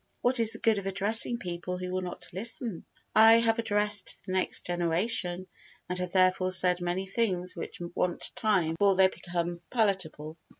] What is the good of addressing people who will not listen? I have addressed the next generation and have therefore said many things which want time before they become palatable.